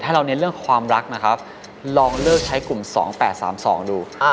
เราเน้นเรื่องความรักนะครับลองเลิกใช้กลุ่ม๒๘๓๒ดู